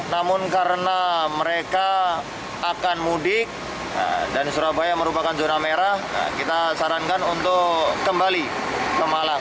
namun karena mereka akan mudik dan surabaya merupakan zona merah kita sarankan untuk kembali ke malang